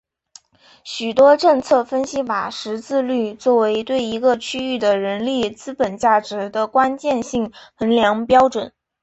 许多政策分析把识字率作为对一个区域的人力资本价值的关键性衡量标准。